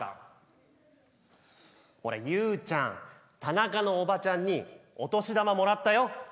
ほらユウちゃんタナカのおばちゃんにお年玉もらったよ。